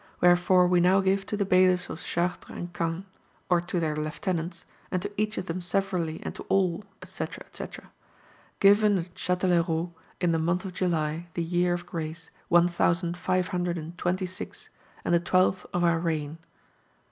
Wherefore we now give to the Bailiffs of Chartres and Caen, or to their Lieutenants, and to each of them severally and to all, &c, &c. Given at Châtelherault, in the month of July, the year of Grace, one thousand five hundred and twenty six, and the twelfth of our reign.